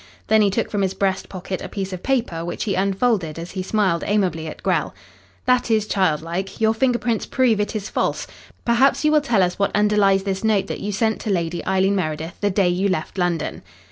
Then he took from his breast pocket a piece of paper, which he unfolded as he smiled amiably at Grell. "That is childlike. Your finger prints prove it is false. Perhaps you will tell us what underlies this note that you sent to Lady Eileen Meredith the day you left London."